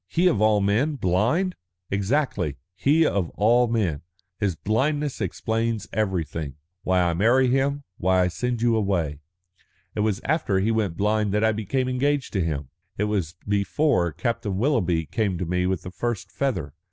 "He, of all men, blind!" "Exactly," said Ethne. "He of all men. His blindness explains everything why I marry him, why I send you away. It was after he went blind that I became engaged to him. It was before Captain Willoughby came to me with the first feather.